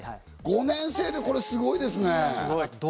５年生で、すごいですね。